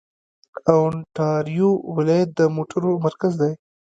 اونټاریو ولایت د موټرو مرکز دی.